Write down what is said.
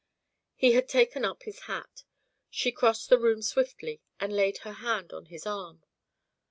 He had taken up his hat. She crossed the room swiftly and laid her hand on his arm.